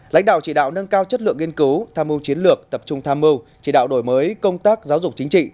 lãnh đạo chỉ đạo nâng cao chất lượng nghiên cứu tham mưu chiến lược tập trung tham mưu chỉ đạo đổi mới công tác giáo dục chính trị